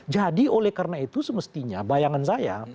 jadi oleh karena itu semestinya bayangan saya